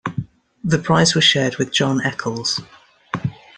The prize was shared with John Eccles.